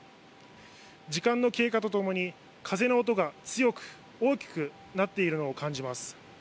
時間の経過とともに、風の音が強く、大きくなっているのを感じます。